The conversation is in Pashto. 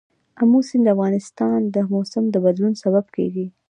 آمو سیند د افغانستان د موسم د بدلون سبب کېږي.